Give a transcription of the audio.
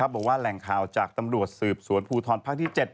บอกว่าแหล่งข่าวจากตำรวจสืบสวนภูทรภาคที่๗